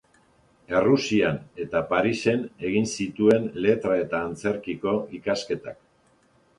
Errusian eta Parisen egin zituen Letra eta Antzerkiko ikasketak.